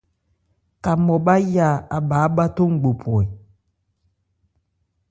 Ka nmɔbháyá a bha ábháthó ngbophro e ?